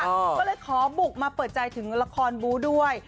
ก็เลยขอบุกมาเปิดใจถึงละครบู๊ด้วย